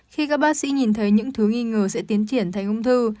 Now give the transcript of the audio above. khi các bác sĩ nhìn thấy những thứ nghi ngờ sẽ tiến triển thành ung thư